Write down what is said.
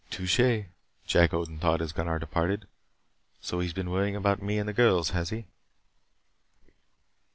"Touché!" Jack Odin thought as Gunnar departed. "So he's been worrying about me and the girls, has he?"